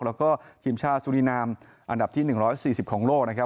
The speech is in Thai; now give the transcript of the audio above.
และก็ทีมชาสุรินามอันดับที่๑๔๐ของโลก